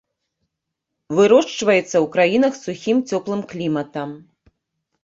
Вырошчваецца ў краінах з сухім, цёплым кліматам.